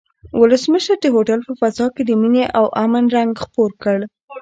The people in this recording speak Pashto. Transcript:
ولسمشر د هوټل په فضا کې د مینې او امن رنګ خپور کړ.